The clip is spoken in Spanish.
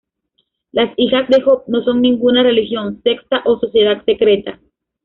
Las Hijas de Job no son ninguna religión, secta, o sociedad secreta.